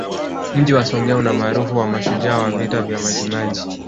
Mji wa Songea una umaarufu wa mashujaa wa Vita vya Majimaji